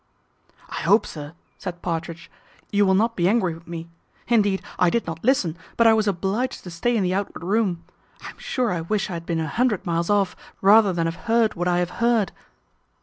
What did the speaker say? "I hope, sir," said Partridge, "you will not be angry with me. Indeed I did not listen, but I was obliged to stay in the outward room. I am sure I wish I had been a hundred miles off, rather than have heard what I have heard."